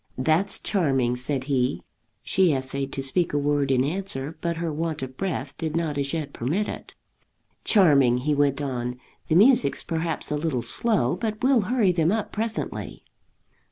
"That's charming," said he. She essayed to speak a word in answer, but her want of breath did not as yet permit it. "Charming!" he went on. "The music's perhaps a little slow, but we'll hurry them up presently."